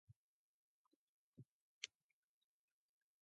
Blatter played as goalkeeper.